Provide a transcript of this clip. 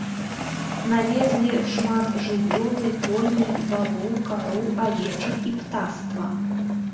Навезлі шмат жывёлы, коней, валоў, кароў, авечак і птаства.